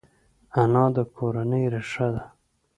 انا د کورنۍ ریښه ده